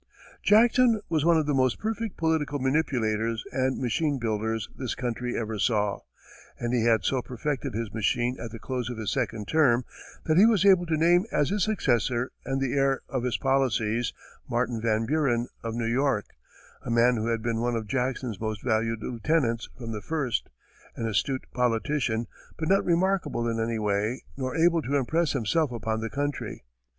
Jackson was one of the most perfect political manipulators and machine builders this country ever saw, and he had so perfected his machine at the close of his second term that he was able to name as his successor and the heir of his policies, Martin Van Buren, of New York, a man who had been one of Jackson's most valued lieutenants from the first, an astute politician, but not remarkable in any way, nor able to impress himself upon the country.